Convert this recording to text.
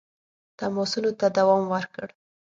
تماسونو ته دوام ورکړ.